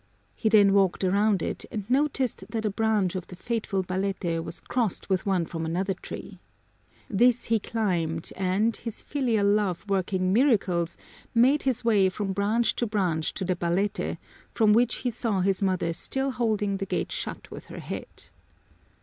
He then walked around it and noticed that a branch of the fateful balete was crossed with one from another tree. This he climbed and, his filial love working miracles, made his way from branch to branch to the balete, from which he saw his mother still holding the gate shut with her head.